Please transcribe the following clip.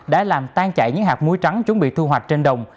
đã làm tan chảy những hạt muối trắng chuẩn bị thu hoạch trên đồng